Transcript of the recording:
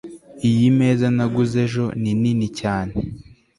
iyi meza naguze ejo ni nini cyane